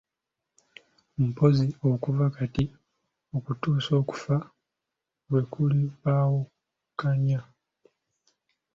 Mpozzi okuva kati okutuusa okufa lwe kulibaawukanya.